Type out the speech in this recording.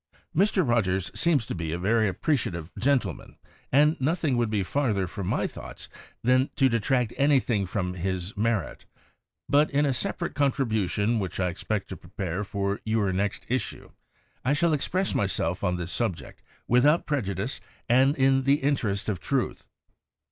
Mr. Rogers seems to be a very apprecia tive gentleman and nothing would be farther from my thoughts than to detract anything from his merit, but in a separate contribu tion, which I expect to prepare for your next issue, I shall express myself on this subject without prejudice and in the inter est of truth.